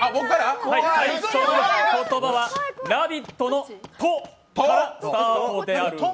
最初の言葉は「ラヴィット！」の「と」からスタートである。